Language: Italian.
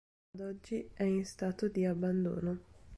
Ad oggi è in stato di abbandono.